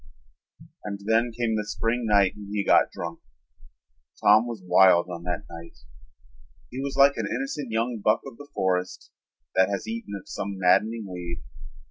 And then came the spring night when he got drunk. Tom was wild on that night. He was like an innocent young buck of the forest that has eaten of some maddening weed.